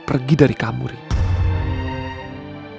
pergi dari kamu riri